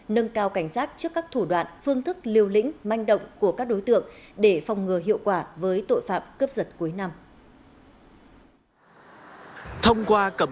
nâng cao cảnh giác trước các thủ đoạn phương thức liều lĩnh manh động của các đối tượng để phòng ngừa hiệu quả với tội phạm cướp giật cuối năm